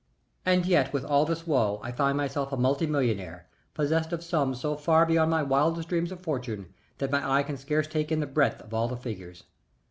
And yet with all this woe I find myself a multi millionaire possessed of sums so far beyond my wildest dreams of fortune that my eye can scarce take in the breadth of all the figures.